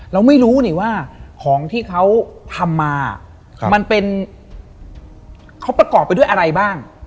เราไม่รู้นี่ว่าของที่เขาทำมามันเป็นเขาประกอบไปด้วยอะไรบ้าง